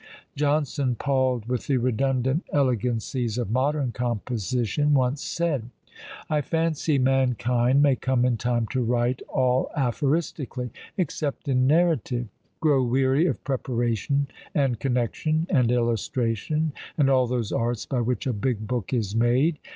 Johnson, palled with the redundant elegancies of modern composition, once said, "I fancy mankind may come in time to write all aphoristically, except in narrative; grow weary of preparation, and connexion, and illustration, and all those arts by which a big book is made."